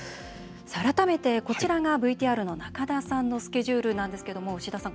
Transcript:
改めて、こちらがＶＴＲの仲田さんのスケジュールなんですけれども牛田さん